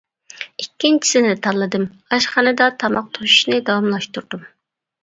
ئىككىنچىسىنى تاللىدىم، ئاشخانىدا تاماق توشۇشنى داۋاملاشتۇردۇم.